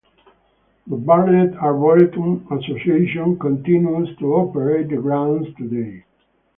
The Bartlett Arboretum Association continues to operate the grounds today.